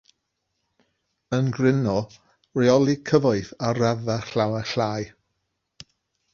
Yn gryno, rheoli cyfoeth ar raddfa llawer llai.